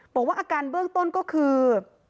บอกว่าอาการเบื้องต้นก็คือ